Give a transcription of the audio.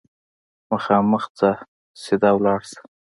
مخامخ ځه ، سیده ولاړ شه !